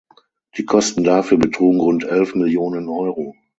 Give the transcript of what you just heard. Die Kosten dafür betrugen rund elf Millionen Euro.